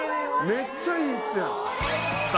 めっちゃいいっすやん。